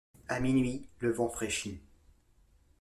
À minuit, le vent fraîchit.